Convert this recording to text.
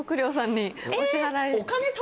お支払い。